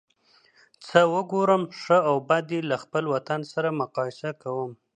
څه وګورم ښه او بد یې له خپل وطن سره مقایسه کوم.